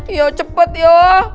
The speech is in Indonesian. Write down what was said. iya cepet ya